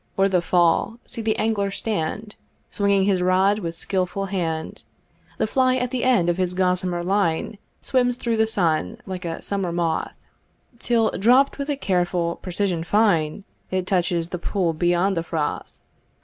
o'er the fall see the angler stand, Swinging his rod with skilful hand; The fly at the end of his gossamer line Swims through the sun like a summer moth, Till, dropt with a careful precision fine, It touches the pool beyond the froth.